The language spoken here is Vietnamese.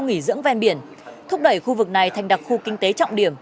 nghỉ dưỡng ven biển thúc đẩy khu vực này thành đặc khu kinh tế trọng điểm